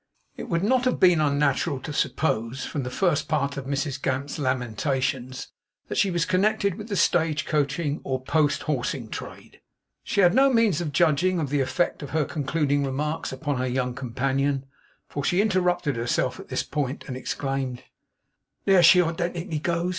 It would not have been unnatural to suppose, from the first part of Mrs Gamp's lamentations, that she was connected with the stage coaching or post horsing trade. She had no means of judging of the effect of her concluding remarks upon her young companion; for she interrupted herself at this point, and exclaimed: 'There she identically goes!